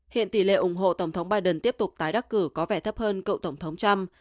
hiện tỷ lệ ủng hộ tổng thống biden tiếp tục tái đắc cử có vẻ thấp hơn cựu tổng thống trump